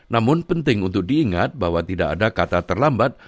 namun penting untuk diingat bahwa tidak ada kata terlambat